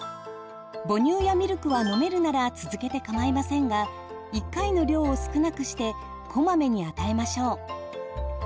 母乳やミルクは飲めるなら続けてかまいませんが１回の量を少なくしてこまめに与えましょう。